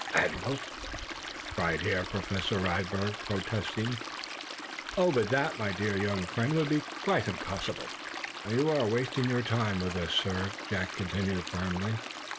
"Admirals?" cried Herr Professor Radberg, protestingly. "Oh, but that, my dear young friend, would be quite impossible." "You are wasting your time with us, sir," Jack continued, firmly.